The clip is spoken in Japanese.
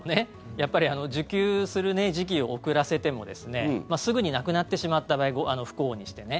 やっぱり受給する時期を遅らせてもすぐに亡くなってしまった場合不幸にしてね。